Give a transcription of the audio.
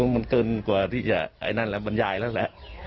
มันเกินกว่าที่จะไอ้นั่นแหละบรรยายแล้วแหละ